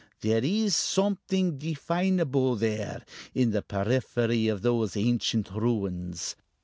There is something definable there, in the periphery of those ancient ruins.